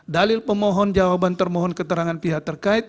dalil pemohon jawaban termohon keterangan pihak terkait